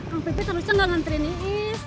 yang pimpin terusnya gak nantriin iis